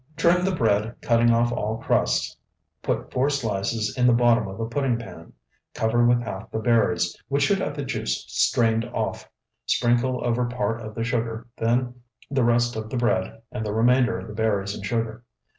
Trim the bread, cutting off all crusts, put four slices in the bottom of a pudding pan, cover with half the berries, which should have the juice strained off, sprinkle over part of the sugar, then the rest of the bread and the remainder of the berries and sugar.